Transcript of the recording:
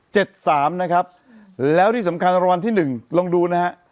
สามนะครับแล้วที่สำคัญรางวัลที่หนึ่งลองดูนะฮะ